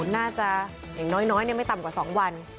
น่าจะอย่างน้อยไม่ต่ำกว่า๒วัน